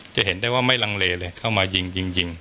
จะเห็นได้ว่าไม่ลังเลเลยเข้ามายิงยิง